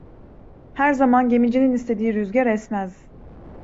Her zaman gemicinin istediği rüzgar esmez.